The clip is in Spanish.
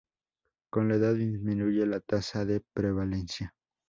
Con la edad disminuye la tasa de prevalencia.